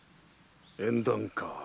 縁談か。